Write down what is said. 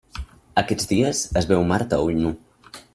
Aquests dies es veu Mart a ull nu.